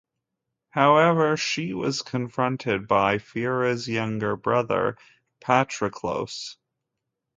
However, she was confronted by Pyrrha's younger brother, Patroklos.